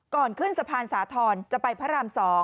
ขึ้นสะพานสาธรณ์จะไปพระราม๒